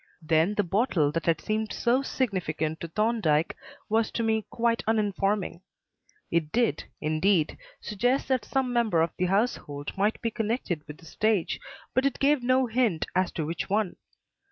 Then the bottle that had seemed so significant to Thorndyke was to me quite uninforming. It did, indeed, suggest that some member of the household might be connected with the stage, but it gave no hint as to which one.